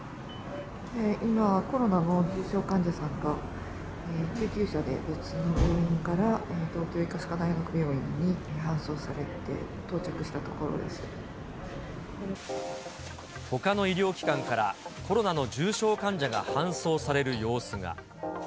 今、コロナの重症患者さんが、救急車で別の病院から東京医科歯科大学病院に搬送されて到着したほかの医療機関から、コロナの重症患者が搬送される様子が。